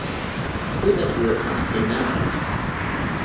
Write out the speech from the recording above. Please enter your passkey now